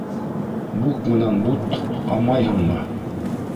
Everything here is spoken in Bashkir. Бук менән бутамайһыңмы?